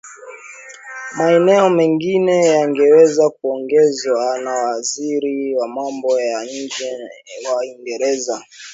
maeneo mengine yangeweza kuongezwa na waziri wa mambo ya nje wa uingereza